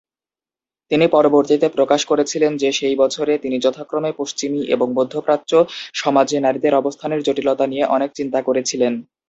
তিনি পরবর্তীতে প্রকাশ করেছিলেন যে সেই বছরে তিনি যথাক্রমে পশ্চিমী এবং মধ্যপ্রাচ্য সমাজে নারীদের অবস্থানের জটিলতা নিয়ে অনেক চিন্তা করেছিলেন।